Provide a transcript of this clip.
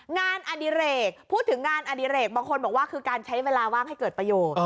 อดิเรกพูดถึงงานอดิเรกบางคนบอกว่าคือการใช้เวลาว่างให้เกิดประโยชน์